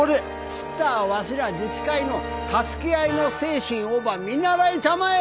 ちっとはわしら自治会の助け合いの精神をば見習いたまえ！